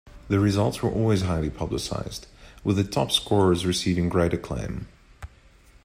The results were always highly publicised, with the top scorers receiving great acclaim.